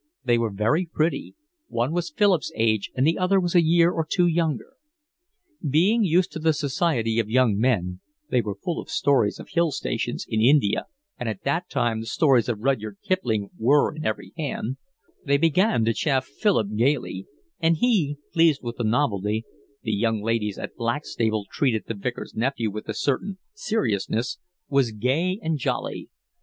They were very pretty, one was Philip's age and the other was a year or two younger. Being used to the society of young men (they were full of stories of hill stations in India, and at that time the stories of Rudyard Kipling were in every hand) they began to chaff Philip gaily; and he, pleased with the novelty—the young ladies at Blackstable treated the Vicar's nephew with a certain seriousness—was gay and jolly.